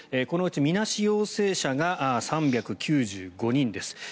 このうちみなし陽性者が３９５人です。